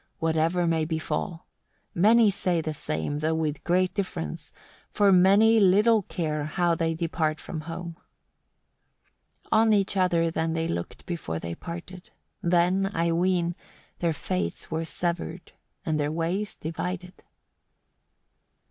whatever may befall. Many say the same, though with great difference; for many little care how they depart from home." 34. On each other then they looked before they parted: then, I ween, their fates were severed, and their ways divided.